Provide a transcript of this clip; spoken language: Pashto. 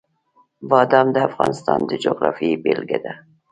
بادام د افغانستان د جغرافیې بېلګه ده.